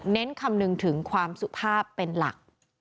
เน้นคำนึงถึงความสุภาพเป็นหลัก